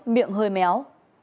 miệng hơi méo